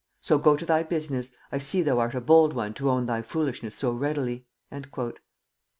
So go to thy business, I see thou art a bold one to own thy foolishness so readily.'" [Note 93: "Nugæ."